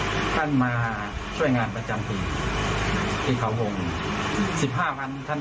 หรือไม่ใช่ท่านมาช่วยงานประจำที่เขาวงสิบห้าพันท่าน